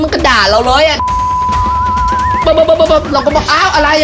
กลัวตาย